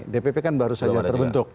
dpp kan baru saja terbentuk